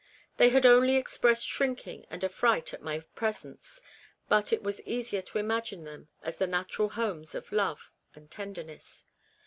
They had only expressed shrinking and affright at my pre sence, but it was easier to imagine them as the natural homes of love and tenderness.